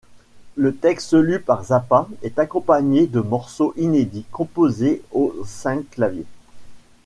Le texte lu par Zappa est accompagné de morceaux inédits composés au synclavier.